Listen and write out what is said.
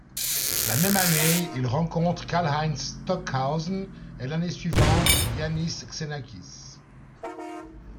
La même année, il rencontre Karlheinz Stockhausen et l'année suivante, Iannis Xenakis.